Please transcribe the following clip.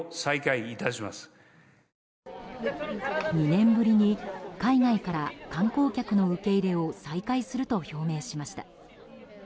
２年ぶりに海外から観光客の受け入れを再開すると表明しました。